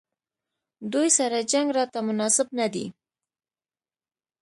دوی سره جنګ راته مناسب نه دی.